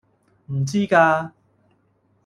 唔知㗎